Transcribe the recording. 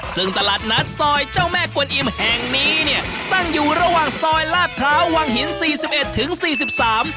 ซึ่งตลาดนัดซอยเจ้าแม่กวนอิ่มแห่งนี้เนี่ยตั้งอยู่ระหว่างซอยลาดพร้าววังหินสี่สิบเอ็ดถึงสี่สิบสาม